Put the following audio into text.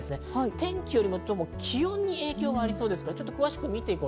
天気よりもどうも気温に影響がありそうです。